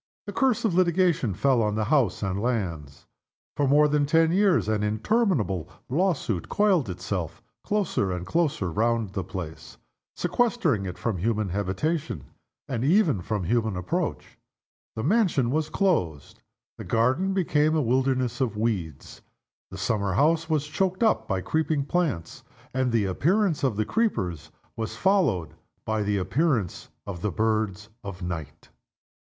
The curse of litigation fell on house and lands. For more than ten years an interminable lawsuit coiled itself closer and closer round the place, sequestering it from human habitation, and even from human approach. The mansion was closed. The garden became a wilderness of weeds. The summer house was choked up by creeping plants; and the appearance of the creepers was followed by the appearance of the birds of night.